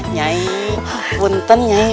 nyai buntun nyai